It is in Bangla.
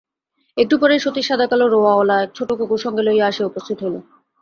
একটু পরেই সতীশ সাদাকালো-রোঁয়াওয়ালা এক ছোটো কুকুর সঙ্গে লইয়া আসিয়া উপস্থিত হইল।